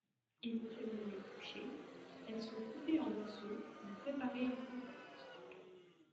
Éventuellement épluchées, elles sont coupées en morceaux ou préparées en compote.